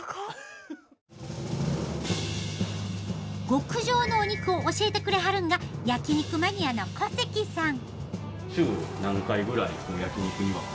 極上のお肉を教えてくれはるんが焼き肉マニアの小関さん。